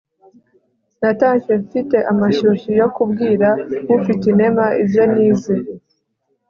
natashye mfite amashyushyu yo kubwira ufitinema ibyo nize